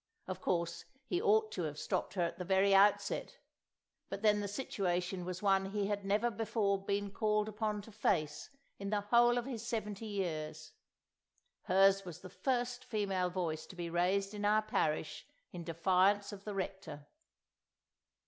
Of course he ought to have stopped her at the very outset; but then the situation was one he had never before been called upon to face in the whole of his seventy years; hers was the first female voice to be raised in our parish in defiance of the Rector!